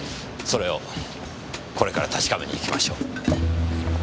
それをこれから確かめに行きましょう。